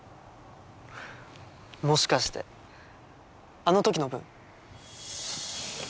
もしかしてあの時の分？